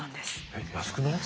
えっ安くない？